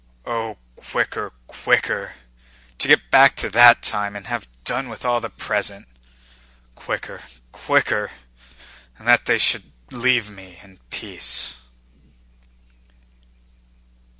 "Oh, quicker, quicker! To get back to that time and have done with all the present! Quicker, quicker—and that they should leave me in peace!"